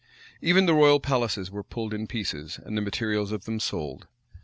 Even the royal palaces were pulled in pieces, and the materials of them sold.